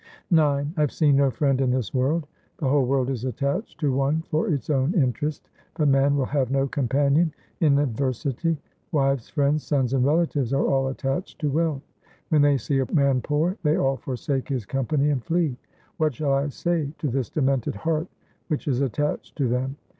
IX I have seen no friend in this world ; The whole world is attached to one for its own interest, but man will have no companion in adversity. Wives, friends, sons, and relatives are all attached to wealth ; When they see a man poor, they all forsake his company and flee. What shall I say to this demented heart which is attached to them